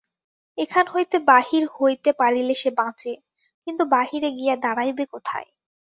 এখান হইতে বাহির হইতে পারিলে সে বাঁচে, কিন্তু বাহিরে গিয়া দাঁড়াইবে কোথায়?